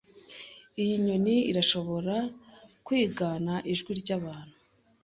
Iyi nyoni irashobora kwigana ijwi ryabantu.